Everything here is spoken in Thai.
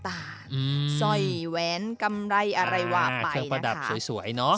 อืมสร้อยแว้นกำไรอะไรวะไปนะคะอ่าเครื่องประดับสวยเนอะ